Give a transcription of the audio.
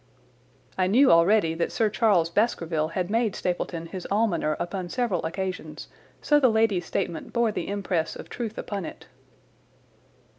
I knew already that Sir Charles Baskerville had made Stapleton his almoner upon several occasions, so the lady's statement bore the impress of truth upon it.